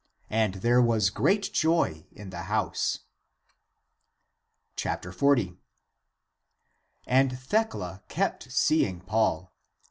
And there was great joy in the house. 40. And Thecla kept seeking Paul.